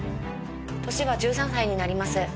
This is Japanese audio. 年は１３歳になります。